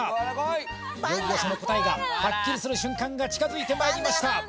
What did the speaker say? いよいよその答えがハッキリする瞬間が近づいてまいりました